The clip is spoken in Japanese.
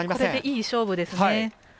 ここでいい勝負ですね。